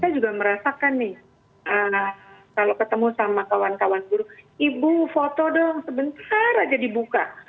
saya juga merasakan nih kalau ketemu sama kawan kawan buru ibu foto dong sebentar aja dibuka